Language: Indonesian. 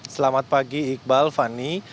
selamat pagi iqbal fani